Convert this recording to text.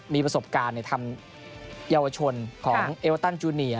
มีประสบการณ์ในธรรมเยาวชนของเอวาตันจูนีอร์